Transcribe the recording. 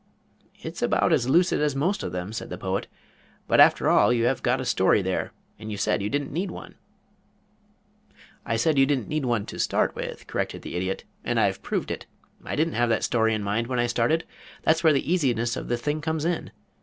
"It's about as lucid as most of them," said the Poet, "but after all you have got a story there, and you said you didn't need one." "I said you didn't need one to start with," corrected the Idiot. "And I've proved it. I didn't have that story in mind when I started. That's where the easiness of the thing comes in.